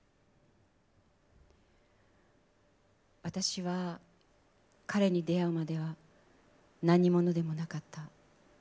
私は彼に出会うまでは何者でもなかった。